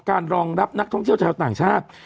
รองรับนักท่องเที่ยวชาวต่างชาติ